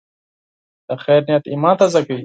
د خیر نیت ایمان تازه کوي.